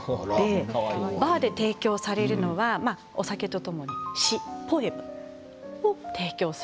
バーで提供されるのはお酒とともに詩、ポエムです。